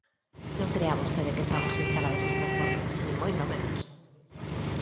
Non crea vostede que estamos instalados nin conformes, ¡nin moito menos!